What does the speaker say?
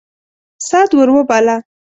سعد ور وباله.